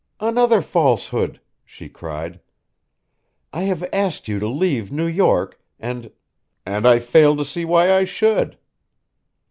"Another falsehood!" she cried. "I have asked you to leave New York and " "And I fail to see why I should."